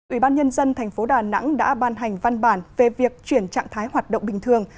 ủy ban nhân dân thành phố đà nẵng đã ban hành văn bản về việc chuyển trạng thái hoạt động bình thường